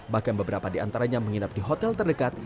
bahkan beberapa di antaranya menginap di hotel terdekat